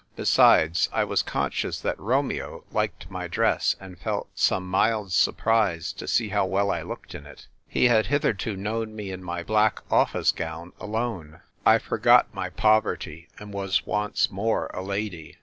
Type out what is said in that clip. Besides, I was conscious that Romeo liked my dress and felt some mild surprise to see how well I looked in it. He had hitherto known me in my black office gown alone. I forgot my poverty and was once more a lady.